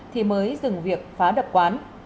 thì mới dừng việc phá đập quán